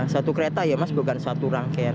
satu kereta ya mas bukan satu rangkaian